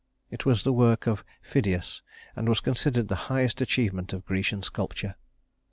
It was the work of Phidias, and was considered the highest achievement of Grecian sculpture.